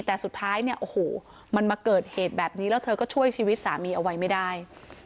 แต่สุดท้ายเนี่ยโอ้โหมันมาเกิดเหตุแบบนี้แล้วเธอก็ช่วยชีวิตสามีเอาไว้ไม่ได้